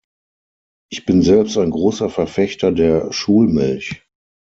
Ich bin selbst ein großer Verfechter der Schulmilch.